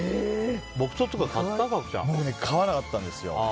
僕、買わなかったんですよ。